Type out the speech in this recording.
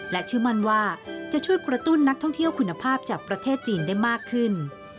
และเชื่อมั่นว่าจะช่วยกระตุ้นนักท่องเที่ยวคุณภาพจากประเทศจีนได้มากขึ้น